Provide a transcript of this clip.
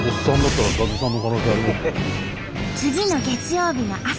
次の月曜日の朝。